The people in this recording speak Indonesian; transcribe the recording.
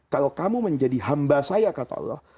kalau kamu menjadi hamba saya kata allah